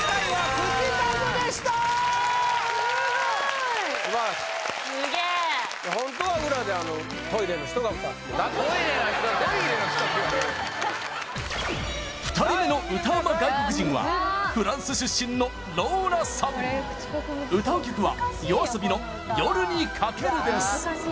素晴らしいすげえ２人目の歌うま外国人はフランス出身のローラさん歌う曲はＹＯＡＳＯＢＩの「夜に駆ける」です